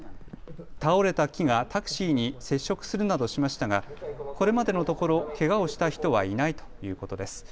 倒れた木がタクシーに接触するなどしましたがこれまでのところ、けがをした人はいないということです。